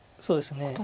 そうですね。